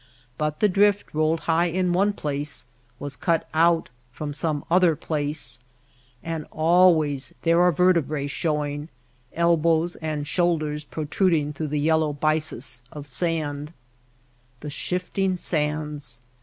But the drift rolled high in one place was cut out from some other place ; and always there are vertebrce showing — elbows and shoulders protruding through the yellow byssus of sand. The shifting sands